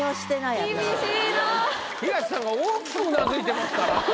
東さんが大きくうなずいてますから。